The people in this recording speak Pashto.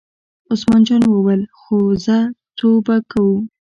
عثمان جان وویل: خو ځه څو به کوو.